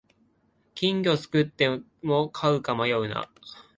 金魚すくっても飼うか迷うな